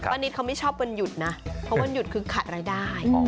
นิดเขาไม่ชอบวันหยุดนะเพราะวันหยุดคือขายรายได้